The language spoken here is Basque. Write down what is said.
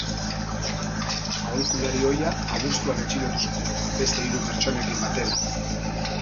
Aholkulari ohia abuztuan atxilotu zuten beste hiru pertsonekin batera.